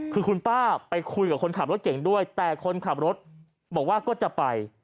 คือคุณป้าไปคุยกับคนขับรถเก่งด้วยแต่คนขับรถบอกว่าก็จะไป